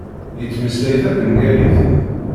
Yettmeslay tabengalit.